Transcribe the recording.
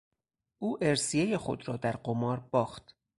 او ارثیهی خود را در قمار باخت.